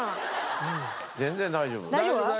俺も全然大丈夫。